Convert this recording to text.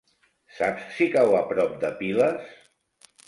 Saps si cau a prop de Piles?